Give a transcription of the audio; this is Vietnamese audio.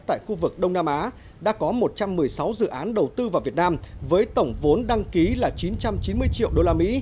tại khu vực đông nam á đã có một trăm một mươi sáu dự án đầu tư vào việt nam với tổng vốn đăng ký là chín trăm chín mươi triệu usd